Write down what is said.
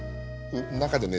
中でね